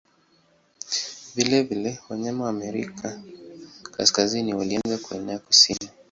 Vilevile wanyama wa Amerika Kaskazini walianza kuenea kusini.